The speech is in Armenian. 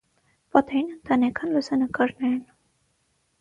Պատերին ընտանեկան լուսանկարներ են։